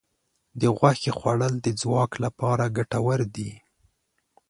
د غوښې خوړل د ځواک لپاره ګټور دي.